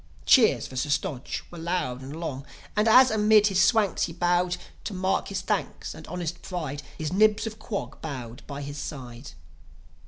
Cheers for Sir Stodge were long and loud; And, as amid his Swanks he bowed, To mark his thanks and honest pride, His Nibs of Quog bowed by his side.